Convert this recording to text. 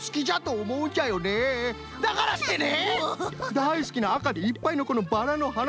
だいすきなあかでいっぱいのこのバラのはな